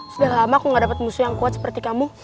sudah lama aku gak dapat musuh yang kuat seperti kamu